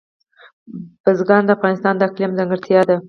بزګان د افغانستان د اقلیم ځانګړتیا ده.